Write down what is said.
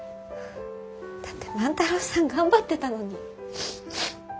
だって万太郎さん頑張ってたのに。